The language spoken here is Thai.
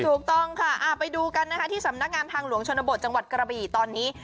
ถูกต้องค่ะไปดูกันนะคะที่สำนักงานทางหลวงชนบทจังหวัดกระบี่ตอนนี้